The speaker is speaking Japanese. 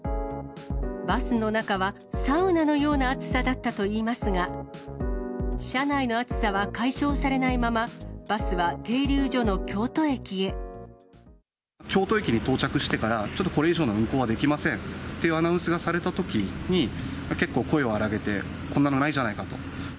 バスの中はサウナのような暑さだったといいますが、車内の暑さは解消されないまま、バスは停京都駅に到着してから、ちょっとこれ以上の運行はできませんっていうアナウンスがされたときに、結構、声を荒げて、こんなのないじゃないかと。